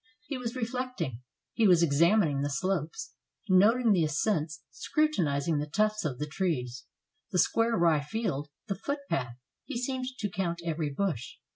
He was reflecting; he was examining the slopes, noting the ascents, scrutinizing the tufts of the trees, the square rye field, the footpath; he seemed to count every bush.